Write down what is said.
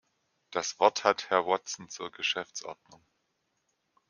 Das Wort hat Herr Watson zur Geschäftsordnung.